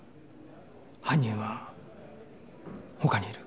犯人は他にいる。